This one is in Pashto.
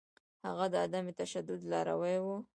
هغه د عدم تشدد لاروی و.